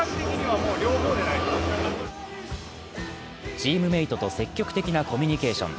チームメイトと積極的にコミュニケーション。